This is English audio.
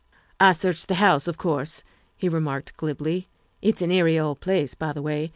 " I searched the house, of course," he remarked glibly;" it's an eerie old place, by the way.